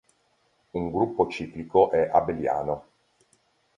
Un gruppo ciclico è abeliano.